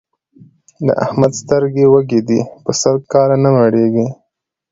د احمد سترګې وږې دي؛ په سل کاله نه مړېږي.